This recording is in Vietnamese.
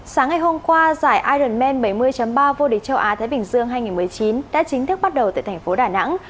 sáng ngày hôm qua giải ireland manh bảy mươi ba vô địch châu á thái bình dương hai nghìn một mươi chín đã chính thức bắt đầu tại thành phố đà nẵng